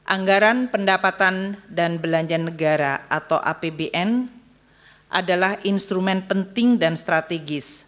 anggaran pendapatan dan belanja negara atau apbn adalah instrumen penting dan strategis